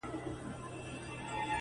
پدې سره د استعمارګر